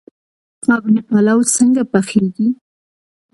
قابلي پلاو څنګه پخیږي؟